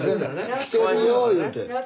来てるよ言うて。